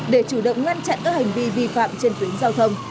để chủ động ngăn chặn các hành vi vi phạm trên tuyến giao thông